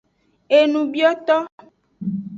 Enubioto.